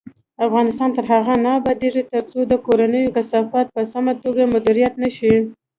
افغانستان تر هغو نه ابادیږي، ترڅو د کورونو کثافات په سمه توګه مدیریت نشي.